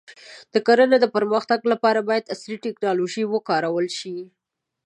د کرنې د پرمختګ لپاره باید عصري ټکنالوژي وکارول شي.